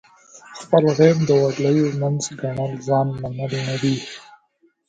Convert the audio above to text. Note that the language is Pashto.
خپل عیب د ولیو منځ ګڼل ځان منل نه دي.